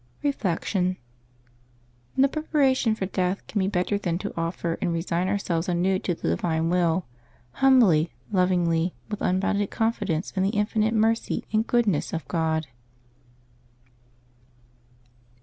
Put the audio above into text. Reflection. — ISTo preparation for death can be better than to offer and resign ourselves anew to the Divine Will — humbly, lovingly, with unbounded confidence in the infinite mercy and goodness of God.